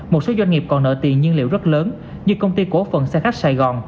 một số doanh nghiệp còn nợ tiền nhiên liệu rất lớn như công ty cổ phần xe khách sài gòn